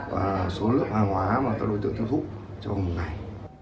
và số lượng hàng hóa mà các đối tượng tiêu thụ trong một ngày